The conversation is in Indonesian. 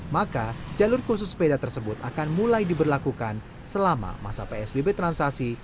maka jalur khusus sepeda tersebut akan mulai diberlakukan selama masa psbb transisi